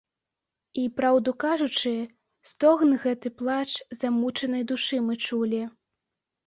І, праўду кажучы, стогн гэты, плач замучанай душы мы чулі.